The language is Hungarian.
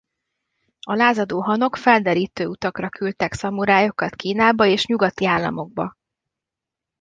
A lázadó hanok felderítő utakra küldtek szamurájokat Kínába és nyugati államokba.